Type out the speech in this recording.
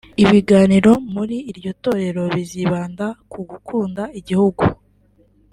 Ibiganiro muri iryo torero bizibanda ku gukunda igihugu